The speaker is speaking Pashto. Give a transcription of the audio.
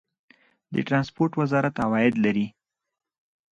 د ټرانسپورټ وزارت عواید لري؟